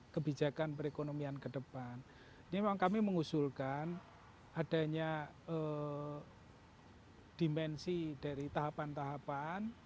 kebijakan perekonomian kedepan memang kami mengusulkan adanya dimensi dari tahapan tahapan